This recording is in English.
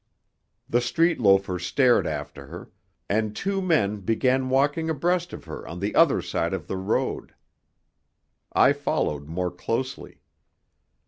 The street loafers stared after her, and two men began walking abreast of her on the other side of the road. I followed more closely.